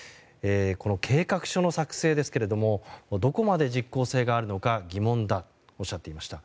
この計画書の作成ですけれどもどこまで実効性があるのか疑問だとおっしゃっていました。